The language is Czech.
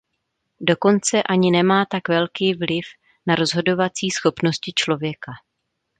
Dokonce ani nemá tak velký vliv na rozhodovací schopnosti člověka.